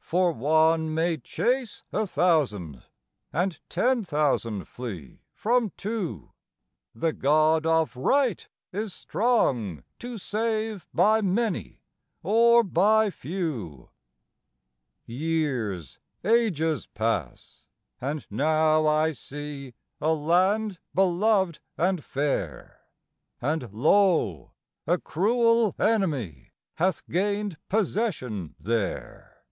For one may chase a thousand, and ten thousand flee from two; The God of right is strong to save by many or by few. Years, ages pass and now I see a land beloved and fair; And lo! a cruel enemy hath gained possession there.